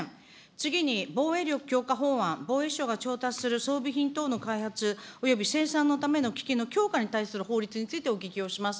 次に防衛力強化法案、防衛省が調達する装備品等の開発、および生産のためのききんの強化に対する法律についてお聞きをします。